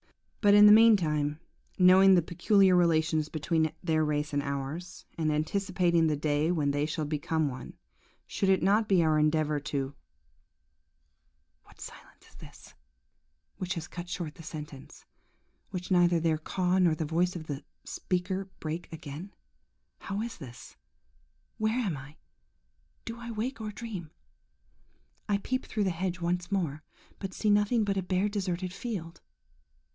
"But, in the meantime, knowing the peculiar relations between their race and ours, and anticipating the day when they shall become one, should it not be our endeavour to ..."... –What silence is this, which has cut short the sentence, and which neither their caws nor the voice of the speaker break again? How is this?–where am I?–Do I wake or dream? I peep through the hedge once more, but see nothing but a bare, deserted field.